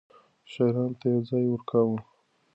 شاعرانو ته يې ځای ورکاوه.